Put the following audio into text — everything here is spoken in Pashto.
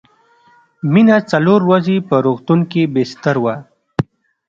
مينه څلور ورځې په روغتون کې بستر وه